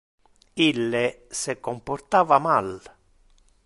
Ille se comportava mal.